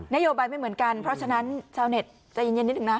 โยบายไม่เหมือนกันเพราะฉะนั้นชาวเน็ตใจเย็นนิดหนึ่งนะ